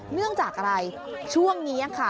เนื่องจากอะไรช่วงนี้ค่ะ